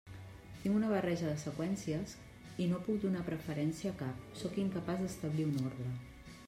Tinc una barreja de seqüències i no puc donar preferència a cap, sóc incapaç d'establir un ordre.